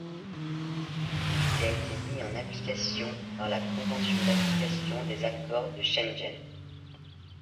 Il a été mis en application par la Convention d'application des accords de Schengen.